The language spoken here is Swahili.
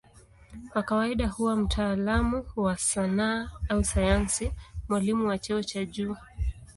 Kwa kawaida huwa mtaalamu wa sanaa au sayansi, mwalimu wa cheo cha juu.